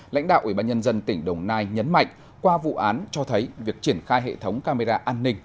lãnh đạo ubnd tỉnh đồng nai nhấn mạnh qua vụ án cho thấy việc triển khai hệ thống camera an ninh